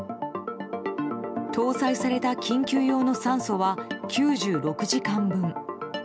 搭載された緊急用の酸素は９６時間分。